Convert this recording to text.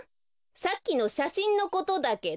さっきのしゃしんのことだけど。